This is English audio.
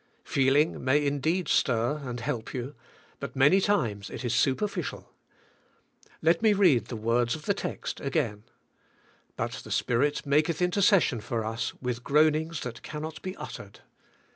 Feeling may indeed stir and help you, but many times it is superficial. Let me read the words of the text again, "But the Spirit maketh in tercession for us with groanings that cannot be ut tered!"